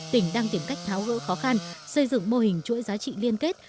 tỉnh đang tìm cách tháo gỡ khó khăn xây dựng mô hình chuỗi giá trị liên kết